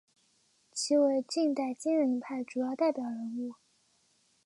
其为近代金陵派主要代表人物。